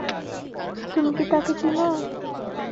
তুমি কি তাকে চিনো?